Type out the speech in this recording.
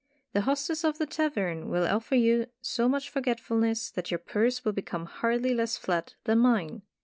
The hostess of the tavern will offer you so much forget fulness, that your purse will become hardly less flat than mine."